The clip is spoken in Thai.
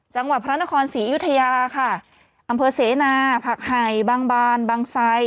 จังหว่าพระนครศรีอยุธยาอำเภอเสนาผักให้บางบานบางทรัย